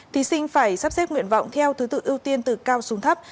thí sinh phải sắp xếp nguyện vọng theo thứ tự ưu tiên từ cao xuống thấp